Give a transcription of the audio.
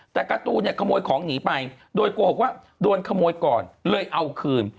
แต่การ์ตูนเนี่ยขโมยของหนีไปโดยโกหกว่าโดนขโมยก่อนเลยเอาคืน